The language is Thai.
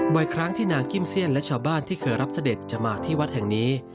ครั้งที่นางกิมเซียนและชาวบ้านที่เคยรับเสด็จจะมาที่วัดแห่งนี้